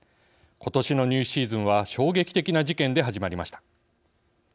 ことしの入試シーズンは衝撃的な事件で始まりました。